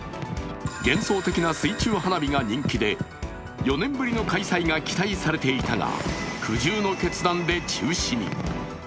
幻想的な水中花火が人気で４年ぶりの開催が期待されていたが苦渋の決断で中止に。